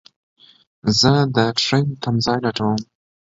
زه دټرين تم ځای لټوم